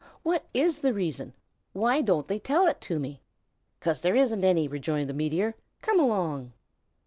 "What IS the reason? Why don't they tell it to me?" "'Cause there isn't any!" rejoined the meteor. "Come along!"